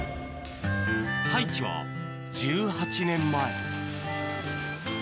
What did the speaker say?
太一は１８年前。